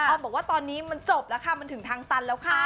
บอกว่าตอนนี้มันจบแล้วค่ะมันถึงทางตันแล้วค่ะ